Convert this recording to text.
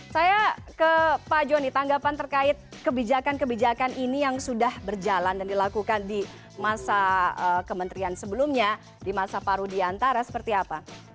saya ke pak joni tanggapan terkait kebijakan kebijakan ini yang sudah berjalan dan dilakukan di masa kementerian sebelumnya di masa pak rudiantara seperti apa